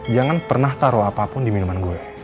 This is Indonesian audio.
jangan pernah taruh apapun di minuman gula